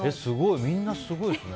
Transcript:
みんな、すごいですね。